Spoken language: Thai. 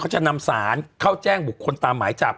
จะนำสารเข้าแจ้งบุคคลตามหมายจับ